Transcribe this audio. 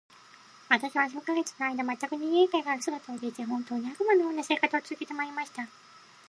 私は数ヶ月の間、全く人間界から姿を隠して、本当に、悪魔の様な生活を続けて参りました。